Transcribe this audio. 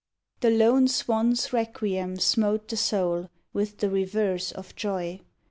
The lone Swan's requiem smote the soul With the reverse of joy.